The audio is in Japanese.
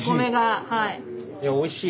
はい。